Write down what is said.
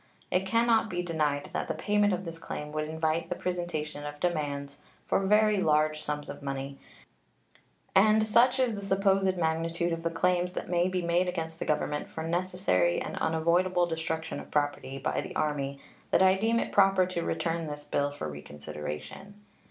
It can not be denied that the payment of this claim would invite the presentation of demands for very large sums of money; and such is the supposed magnitude of the claims that may be made against the Government for necessary and unavoidable destruction of property by the Army that I deem it proper to return this bill for reconsideration.